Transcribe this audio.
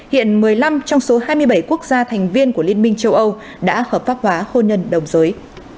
hiện một mươi năm trong số hai mươi bảy quốc gia thành viên của liên minh châu âu đã hợp pháp hóa khôn nhân đồng giới